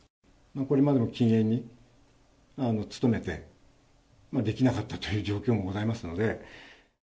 これまでも禁煙に努めてできなかったという状況もございますので。